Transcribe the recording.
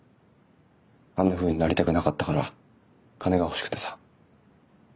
あんなふうになりたくなかったから金が欲しくてさ。